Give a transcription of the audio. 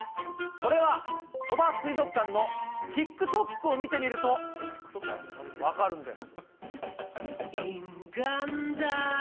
それは鳥羽水族館のＴｉｋＴｏｋを見てみると分かるんです。